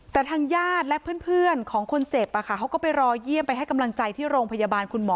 แต่ทางญาติและเพื่อนของคนเจ็บเขาก็ไปรอเยี่ยมไปให้กำลังใจที่โรงพยาบาลคุณหมอ